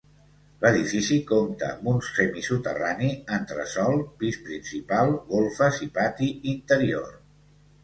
L'edifici compta amb un semisoterrani, entresòl, pis principal, golfes i pati interior.